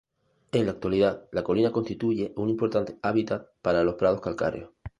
En la actualidad, la colina constituye un importante hábitat para las prados calcáreos.